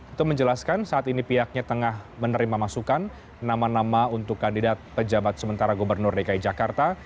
itu menjelaskan saat ini pihaknya tengah menerima masukan nama nama untuk kandidat pejabat sementara gubernur dki jakarta